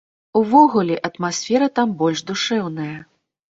Увогуле, атмасфера там больш душэўная.